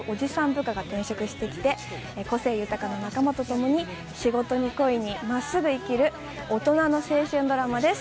部下が転職してきて個性豊かな仲間と共に仕事に恋に真っすぐ生きる大人の青春ドラマです